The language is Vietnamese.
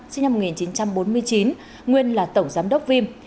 sinh năm một nghìn chín trăm bốn mươi chín nguyên là tổng giám đốc vim